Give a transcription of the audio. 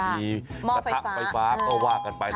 มีมอบไฟฟ้ามีตะทะไฟฟ้าก็ว่ากันไป